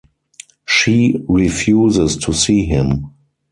She refuses to see him.